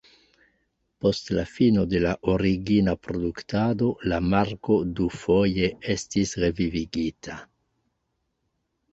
Post la fino de la origina produktado, la marko dufoje estis revivigita.